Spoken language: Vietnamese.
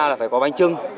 là phải có bánh trưng